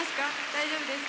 大丈夫ですか？